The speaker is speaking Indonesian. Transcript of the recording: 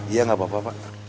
iya nggak apa apa pak